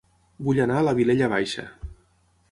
Vull anar a La Vilella Baixa